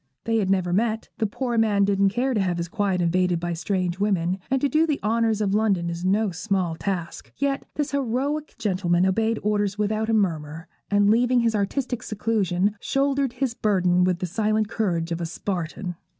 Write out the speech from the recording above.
They had never met; the poor man didn't care to have his quiet invaded by strange women, and to do the honours of London is no small task: yet this heroic gentleman obeyed orders without a murmur; and, leaving his artistic seclusion, shouldered his burden with the silent courage of a Spartan.